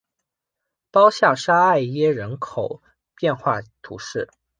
鲍下沙艾耶人口变化图示